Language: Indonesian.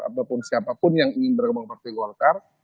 ataupun siapapun yang ingin bergabung partai golkar